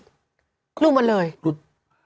รู้มันเลยหลุด